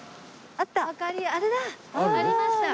ありました。